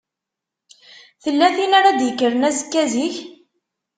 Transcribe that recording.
Tella tin ara d-yekkren azekka zik?